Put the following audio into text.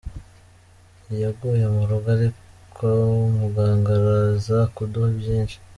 Yaguye mu rugo ariko muganga araza kuduha byinshi.